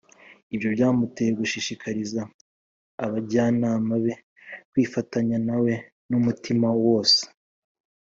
ibyo byamuteye gushishikariza abajyanama be kwifatanya nawe n’umutima wose